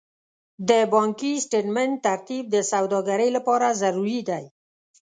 د بانکي سټېټمنټ ترتیب د سوداګرۍ لپاره ضروري دی.